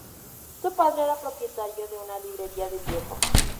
Su padre era propietario de una "librería de viejo".